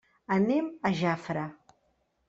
Anem a Jafre.